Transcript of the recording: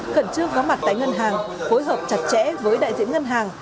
cần trước gói mặt tại ngân hàng phối hợp chặt chẽ với đại diện ngân hàng